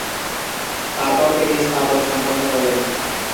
তারপর তিনি স্নাতক সম্পন্ন করেন।